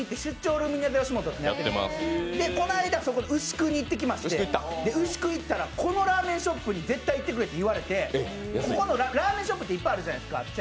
ルミネｔｈｅよしもとというのをやってて、この間、牛久に行ってきまして牛久行ったら、このラーメンショップに絶対、行ってくれって言われてラーメンショップっていっぱいあるじゃないですか。